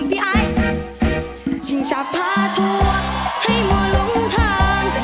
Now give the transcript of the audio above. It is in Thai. พี่ไฟช้างชาพ่าทำก์ให้เผาหลงทาง